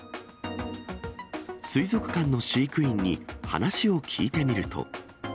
水族館の飼育員に話を聞いてみると。